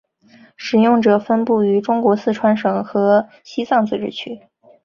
使用者分布于中国四川省和西藏自治区。